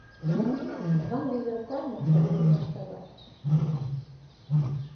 Вам велел кланяться один ваш товарищ